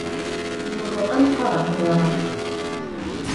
Бурҙыҡын ҡараҡ урлаған.